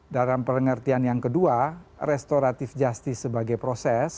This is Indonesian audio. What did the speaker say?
dalam pengertian yang kedua restoratif justice sebagai proses